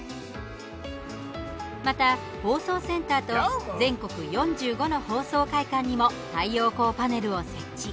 また、放送センターと全国４５の放送会館にも太陽光パネルを設置。